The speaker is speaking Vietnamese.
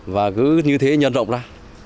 và cứ như thế nhân rộng ra